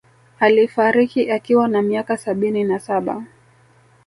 Alifariki akiwa na miaka sabini na saba